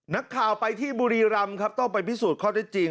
นักข่าวไปที่บุรีรำครับต้องไปพิสูจน์ข้อได้จริง